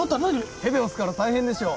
手で押すから大変でしょう？